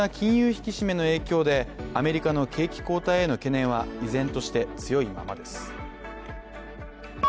引き締めの影響で、アメリカの景気後退への懸念は依然として強いままです。